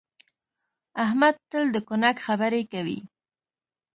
احمد تل د کونک خبرې کوي.